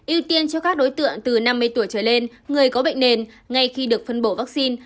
ưu tiên cho các đối tượng từ năm mươi tuổi trở lên người có bệnh nền ngay khi được phân bổ vaccine